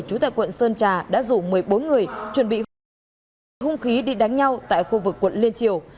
chủ tịch quận sơn trà đã rủ một mươi bốn người chuẩn bị hung khí hung khí đi đánh nhau tại khu vực quận liên triều